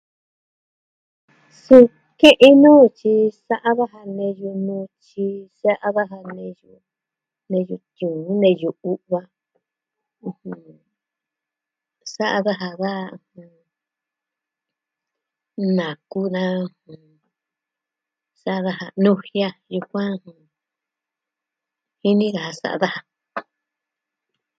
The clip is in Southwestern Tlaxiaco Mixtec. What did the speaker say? Suu kɨ'ɨn nuu tyi sa'a daja neyu nutyi, sa'a daja neyu, neyu tiuun, neyu u'va. ɨjɨn... Sa'a daja da naku naa, sa'a daja yujian, yukuan, ɨjɨn... ini daa sa'a daja.